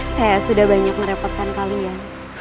saya sudah banyak merepotkan kalian